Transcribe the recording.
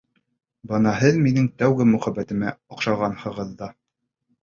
Бына һеҙ минең тәүге мөхәббәтемә... оҡшағанһығыҙ ҙа...